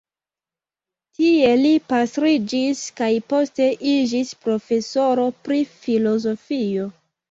Tie li pastriĝis kaj poste iĝis profesoro pri filozofio.